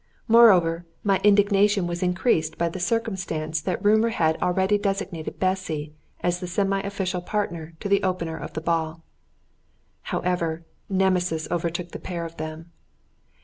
Moreover, my indignation was increased by the circumstance that rumour had already designated Bessy as the semi official partner of the opener of the ball. However, Nemesis overtook the pair of them.